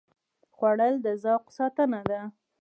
خوړل د ذوق ساتنه ده